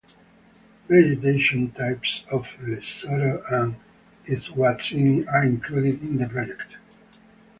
Vegetation types of Lesotho and Eswatini are included in the project.